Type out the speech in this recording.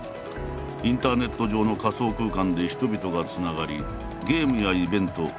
インターネット上の仮想空間で人々がつながりゲームやイベント